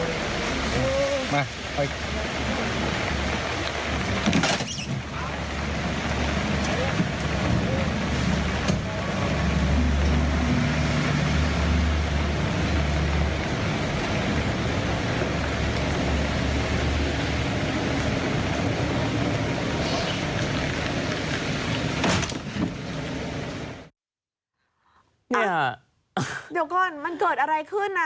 เดี๋ยวก่อนมันเกิดอะไรขึ้นนะ